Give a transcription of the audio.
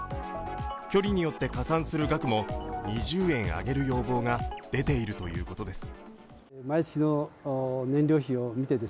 距離によって加算される額も２０円上げる要望が出ているということです。